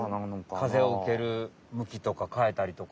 風を受ける向きとか変えたりとか。